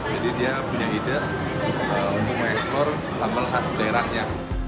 jadi dia punya ide untuk menguasai sambal khas daerahnya